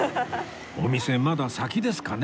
お店まだ先ですかね？